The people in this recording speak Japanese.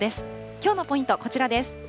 きょうのポイント、こちらです。